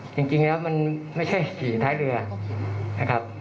จริงแล้วมันไม่ใช่ขี่ท้ายเรือนะครับ